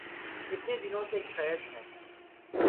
اتنے دنوں سے قید ہیں